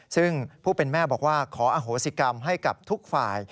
ซึ่งผู้เป็นแม่บอกว่าขออโหสิกรรมให้กับทุกฝ่าย